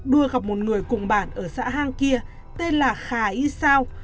đua gặp một người cùng bạn ở xã hang kia tên là khà y sao